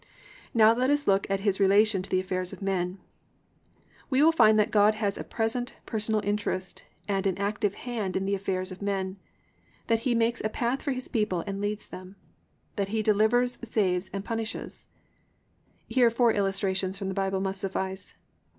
2. Now let us look at His relation to the affairs of men. We will find that _God has a present, personal interest and an active hand in the affairs of men; that He makes a path for His people and leads them; that He delivers, saves and punishes_. Here four illustrations from the Bible must suffice.